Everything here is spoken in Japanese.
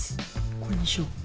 これにしよう。